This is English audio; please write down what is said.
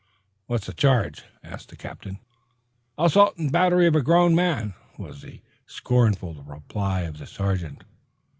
"What's the charge?" asked the captain. "Assault and battery on a grown man!" was the scornful reply of the sergeant.